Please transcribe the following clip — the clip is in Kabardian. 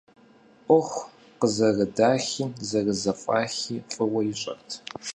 Ӏуэху къызэрыдахи зэрызэфӀахи фӀыуэ ищӀэрт.